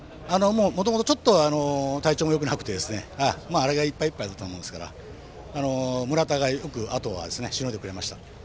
もともと体調もちょっとよくなくてあれがいっぱいいっぱいだったと思いますから村田があとをよくしのいでくれました。